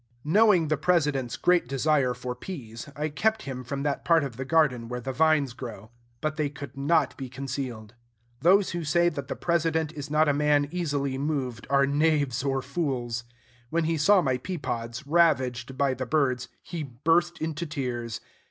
Knowing the President's great desire for peas, I kept him from that part of the garden where the vines grow. But they could not be concealed. Those who say that the President is not a man easily moved are knaves or fools. When he saw my pea pods, ravaged by the birds, he burst into tears.